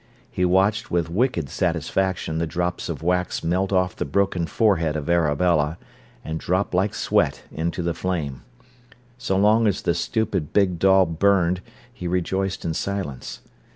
He watched with wicked satisfaction the drops of wax melt off the broken forehead of Arabella, and drop like sweat into the flame. So long as the stupid big doll burned he rejoiced in silence.